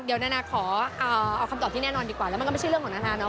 เดี๋ยวนานาขอเอาคำตอบที่แน่นอนดีกว่าแล้วมันก็ไม่ใช่เรื่องของนานาเนาะ